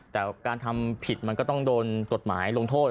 แต่การทำผิดมันก็ต้องโดนกฎหมายลงโทษ